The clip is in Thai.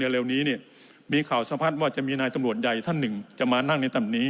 ในรายละเอียวนี้เนี้ยมีข่าวสะพัดว่าจะมีนายตำลวดใหญ่ท่านหนึ่งจะมานั่ง